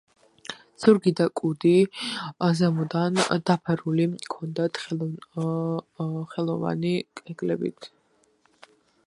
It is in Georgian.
ზურგი და კუდი ზემოდან დაფარული ჰქონდათ ძვლოვანი ეკლებით.